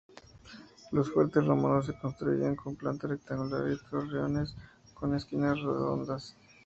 Los fuertes romanos se construían con planta rectangular y torreones con esquinas redondeadas.